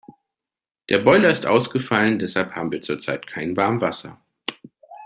Der Boiler ist ausgefallen, deshalb haben wir zurzeit kein Warmwasser.